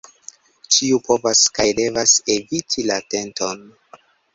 Ĉiu povas kaj devas eviti la tenton.